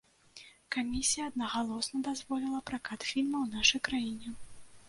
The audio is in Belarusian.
Камісія аднагалосна дазволіла пракат фільма ў нашай краіне.